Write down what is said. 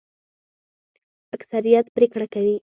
اکثریت پریکړه کوي